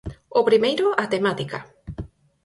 O primeiro, a temática.